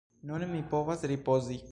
Nun mi povas ripozi.